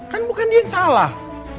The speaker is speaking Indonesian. kan bukan dia yang salah